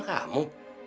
bukan sama kamu